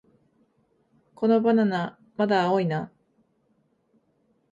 このバナナ、まだ青いな